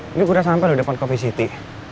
ini udah sampe lu depan cafe city